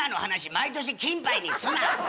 毎年金杯にすな。